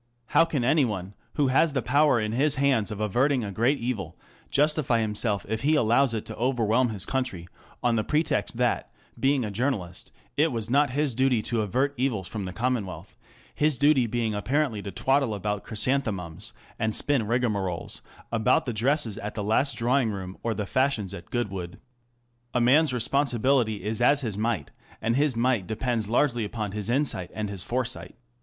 How can any one, who has the power in his hands of averting a grave evil, justify himself if he allows it to overwhelm his country, on the pretext that, being a journalist, it was not his duty to avert evils from the commonwealth; his duty being apparently to twaddle about chrysanthemums and spin rigmaroles about the dresses at the last Drawing room or the fashions at Goodwood. A man's responsibility is as his might, and his might depends largely upon his insight and his foresight.